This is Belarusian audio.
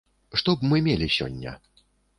Што б мы мелі сёння?